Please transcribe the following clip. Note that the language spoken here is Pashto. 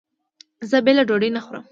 زه بېله ډوډۍ نه خورم.